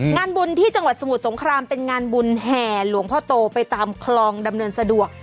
งานบุญที่จังหวัดสมุทรสงครามเป็นงานบุญแห่หลวงพ่อโตไปตามคลองดำเนินสะดวก